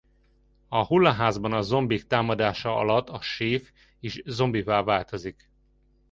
A hullaházban a zombik támadása alatt a Séf is zombivá változik.